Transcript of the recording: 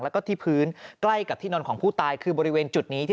แล้วก็ที่พื้นใกล้กับที่นอนของผู้ตายคือบริเวณจุดนี้ที่